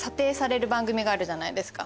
あるじゃないですか